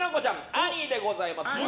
アニーでございます。